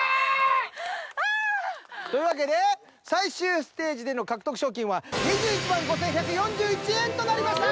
ああ！というわけで最終ステージでの獲得賞金は２１５，１４１円となりました。